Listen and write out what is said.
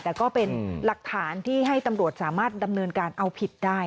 แต่ก็เป็นหลักฐานที่ให้ตำรวจสามารถดำเนินการเอาผิดได้